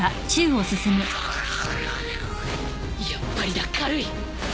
やっぱりだ軽い！